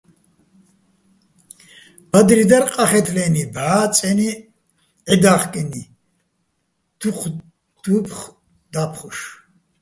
ბადრი დარ ყახე́თლენი ბჵა წე́ნი ჺედა́ხკი́ნი̆, დუჴ დუ́ფხო̆ და́ფხუშ.